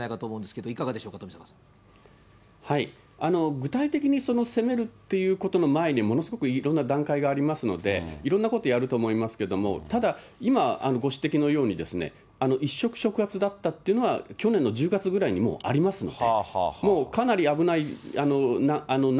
具体的に攻めるということの前にものすごくいろんな段階がありますので、いろんなことやると思いますけれども、ただ、今ご指摘のように、一触触発だったというのは去年の１０月ぐらいにもうありますので。